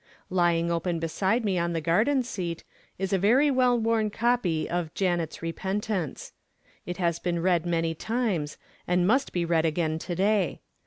Lying open beside me on the garden seat is a very well worn copy of Janet's Repentance. It has been read many times, and must be read again to day.